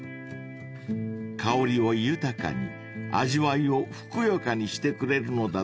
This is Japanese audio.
［香りを豊かに味わいをふくよかにしてくれるのだとか］